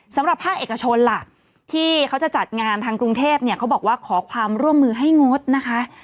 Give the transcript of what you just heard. สำหรับภาคเอกชนล่ะที่เขาจะจัดงานทางกรุงเทพเนี่ยเขาบอกว่าขอความร่วมมือให้งดนะคะ